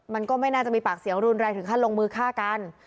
มันก็ไม่น่าจะมีปากเสียงรุนแรงถึงขั้นลงมือฆ่ากัน